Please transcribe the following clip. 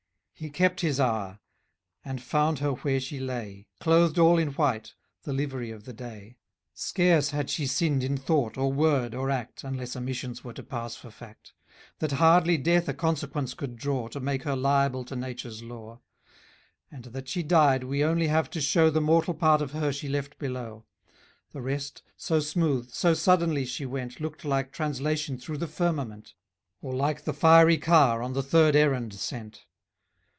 He kept his hour, and found her where she lay, Clothed all in white, the livery of the day: Scarce had she sinned in thought, or word, or act, Unless omissions were to pass for fact; That hardly death a consequence could draw, To make her liable to nature's law. And, that she died, we only have to shew The mortal part of her she left below; The rest, so smooth, so suddenly she went, } Looked like translation through the firmament, } Or like the fiery car on the third errand sent.